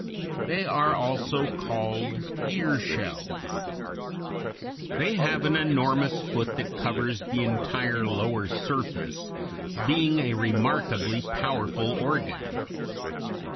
They are also called ear shells. They have an enormous foot that covers the entire lower surface, being a remarkably powerful organ.